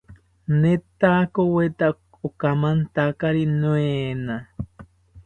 Netakoweta okamantakari noena